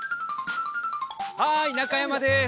はい中山です